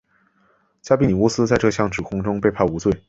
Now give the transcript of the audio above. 加比尼乌斯在这项指控中被判无罪。